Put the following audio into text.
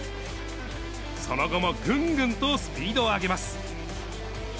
その後もぐんぐんとスピードを上げます。